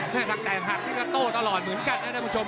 ถ้าแตกหักนี่ก็โต้ตลอดเหมือนกันนะท่านผู้ชม